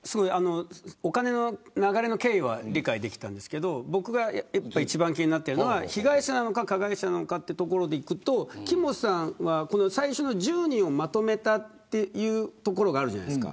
お金の経緯は分かりましたけど一番気になっているのは被害者なのか加害者なのかというところでいくと木本さんは最初の１０人をまとめたじゃないですか。